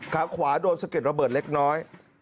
ขาขวาโดนสะเก็ดระเบิดเล็กน้อย